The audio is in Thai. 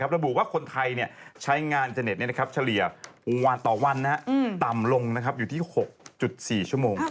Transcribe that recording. ระบุว่าคนไทยใช้งานอินเทอร์เน็ตเฉลี่ยวงวันต่อวันต่ำลงอยู่ที่๖๔ชั่วโมง